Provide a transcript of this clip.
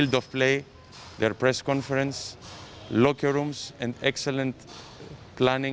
dan perancangan yang bagus untuk fasilitas pembalasan